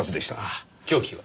凶器は？